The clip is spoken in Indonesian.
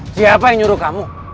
siapa yang nyuruh kamu